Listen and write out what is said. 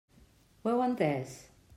Ho heu entès?